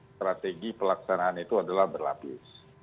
strategi pelaksanaan itu adalah berlapis